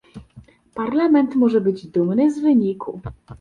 Parlament może być dumny z wyniku